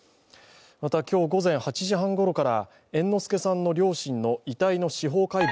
また、今日午前８時半ごろから猿之助さんの両親の司法解剖